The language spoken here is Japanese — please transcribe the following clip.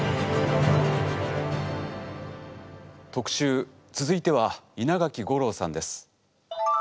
特集続いては稲垣吾郎さんです。